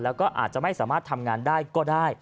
แล้วก็อาจจะไม่สามารถทำงานได้ก็ได้